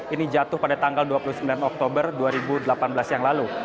ini jatuh pada tanggal dua puluh sembilan oktober dua ribu delapan belas yang lalu